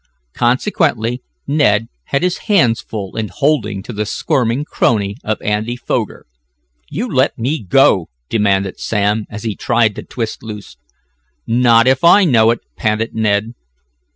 Consequently Ned had his hands full in holding to the squirming crony of Andy Foger. "You let me go!" demanded Sam, as he tried to twist loose. "Not if I know it!" panted Ned.